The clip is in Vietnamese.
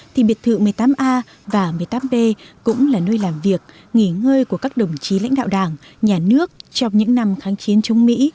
thì biệt thự một mươi tám a và một mươi tám b cũng là nơi làm việc nghỉ ngơi của các đồng chí lãnh đạo đảng nhà nước trong những năm kháng chiến chống mỹ